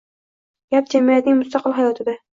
gap “jamiyatning mustaqil hayotida”